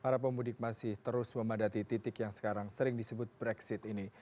para pemudik masih terus memadati titik yang sekarang sering disebut brexit ini